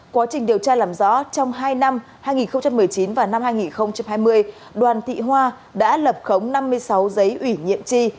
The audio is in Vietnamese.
quá trình điều tra làm rõ trong hai năm hai nghìn một mươi chín và năm hai nghìn hai mươi đoàn thị hoa đã lập khống năm mươi sáu giấy ủy nhiệm tri